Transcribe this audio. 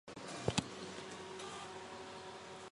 徽州状元饭以他为名。